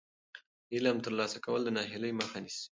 علم ترلاسه کول د ناهیلۍ مخه نیسي.